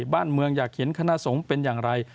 บ้านเมืองอยากเห็นคณะสงฆ์เป็นอย่างไร